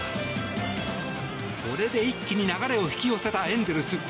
これで一気に流れを引き寄せたエンゼルス。